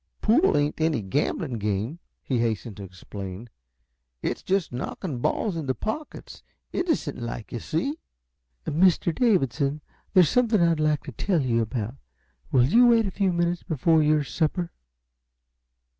"Pool ain't any gambling game," he hastened to explain. "It's just knocking balls into the pockets, innocent like, yuh see." "Mr. Davidson, there's something I'd like to tell you about. Will you wait a few minutes more for your supper?"